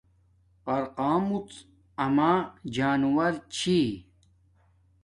قرقامڎ اما جانورو چھی